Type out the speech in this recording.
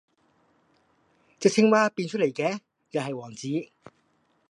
隻青蛙變出嚟嘅又系王子!